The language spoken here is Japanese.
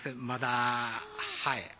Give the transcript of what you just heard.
まだはい。